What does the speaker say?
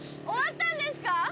終わったんですか？